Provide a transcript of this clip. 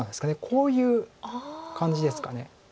こういう感じですか。